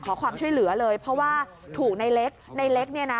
ขอความช่วยเหลือเลยเพราะว่าถูกในเล็กในเล็กเนี่ยนะ